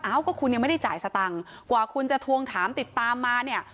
เอ้าก็คุณยังไม่ได้จ่ายสตังค์กว่าคุณจะทวงถามติดตามมาเนี่ย